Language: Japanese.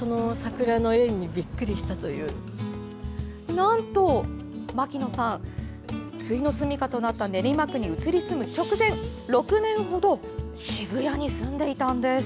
なんと、牧野さんついの住みかとなった練馬区に移り住む直前６年程、渋谷に住んでいたのです。